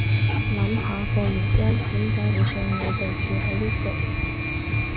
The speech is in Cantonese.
諗下個原因點解你想我哋住喺呢度